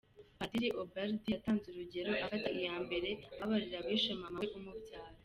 Padiri Ubald yatanze urugero afata iya mbere ababarira abishe mama we umubyara.